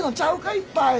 いっぱい。